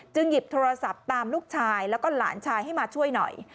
หยิบโทรศัพท์ตามลูกชายแล้วก็หลานชายให้มาช่วยหน่อย